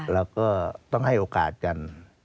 เราก็ต้องให้โอกาสกัน